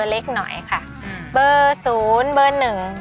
เมื่อสูญเมื่อหนึ่ง